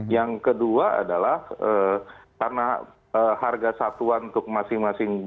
yang kedua adalah karena harga satuan untuk masing masing